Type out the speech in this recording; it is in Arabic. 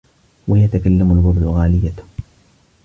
هو يتكلّم البرتغاليّة.